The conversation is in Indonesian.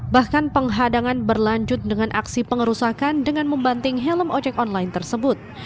bahkan penghadangan berlanjut dengan aksi pengerusakan dengan membanting helm ojek online tersebut